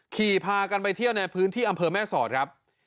ขี่พากันไปเที่ยวในพื้นที่อำเภอแม่สอดครับ